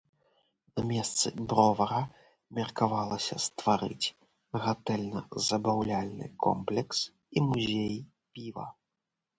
На месцы бровара меркавалася стварыць гатэльна-забаўляльны комплекс і музей піва.